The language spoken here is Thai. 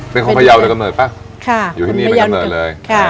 เป็นคนพยาวเลยกำเนิดป่ะอยู่ที่นี่เป็นกำเนิดเลย